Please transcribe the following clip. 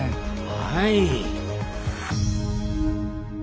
はい。